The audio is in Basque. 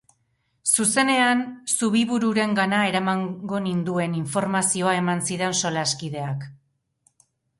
Zuzenean Zubibururengana eramango ninduen informazioa eman zidan solaskideak.